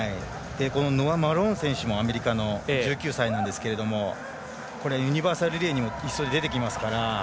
ノア・マローン選手もアメリカの１９歳なんですけどユニバーサルリレーにも１走で出てきますから。